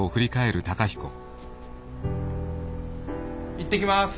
行ってきます。